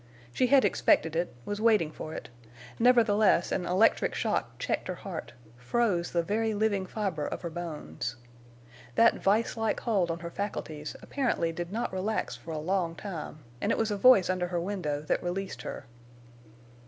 She had expected it, was waiting for it; nevertheless, an electric shock checked her heart, froze the very living fiber of her bones. That vise like hold on her faculties apparently did not relax for a long time, and it was a voice under her window that released her.